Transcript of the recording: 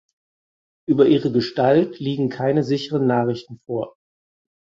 Über ihre Gestalt liegen keine sicheren Nachrichten vor.